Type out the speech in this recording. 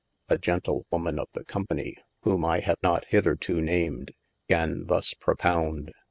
A gentle woman of the company whom I have not hetherto named, gan thus propound.